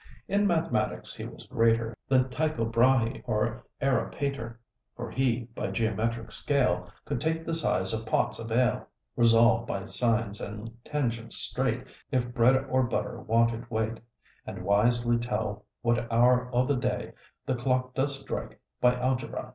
In Mathematics he was greater Than Tycho Brahe, or Erra Pater: For he, by geometric scale, Could take the size of pots of ale; Resolve, by sines and tangents straight, If bread or butter wanted weight; And wisely tell what hour o' th' day The clock does strike, by Algebra.